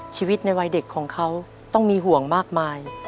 ชีวิตในวัยเด็กของเขาต้องมีห่วงมากมาย